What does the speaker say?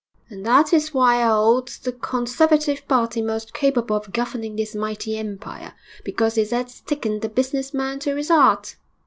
And that is why I 'old the Conservative party most capable of governing this mighty empire, because it 'as taken the business man to its 'eart.